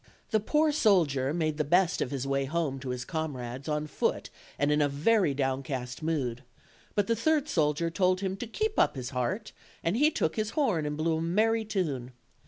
The poor soldier made the best of his way home to his comrades, on foot and in a very downcast mood; but the third soldier told him to keep up his heart, and he took his horn and blew a merry tune.